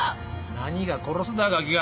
何が殺すだガキが。